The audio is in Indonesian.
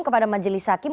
kepada majelis hakim